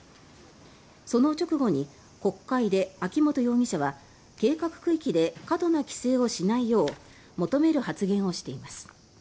その直後に国会で、秋本容疑者は計画区域で過度な規制をしないよう求める発言をしています。